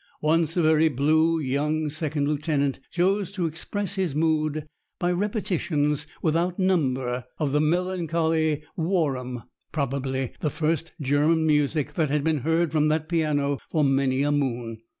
Once a very blue young second lieutenant chose to express his mood by repetitions without number of the melancholy "Warum?" probably the first German music that had been heard from that piano for many a moon.